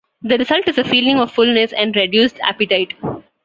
The result is a feeling of fullness and reduced appetite.